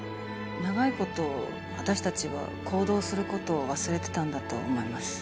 長いこと私たちは行動することを忘れてたんだと思います。